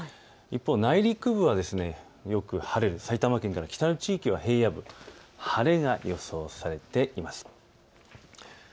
一方、内陸部はよく晴れる埼玉県や北の地域は晴れが予想されています。